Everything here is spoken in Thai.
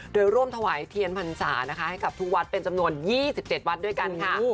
โดยร่วมถวายเทียนพรรษานะคะให้กับทุกวัดเป็นจำนวน๒๗วัดด้วยกันค่ะ